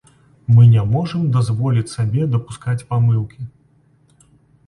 Мы не можам дазволіць сабе дапускаць памылкі.